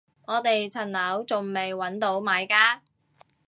我哋層樓仲未搵到買家